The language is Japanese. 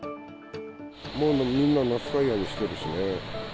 もうみんな夏タイヤにしてるしね。